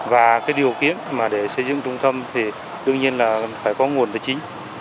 và điều kiện để xây dựng trung tâm thì đương nhiên là phải có nguồn tài chính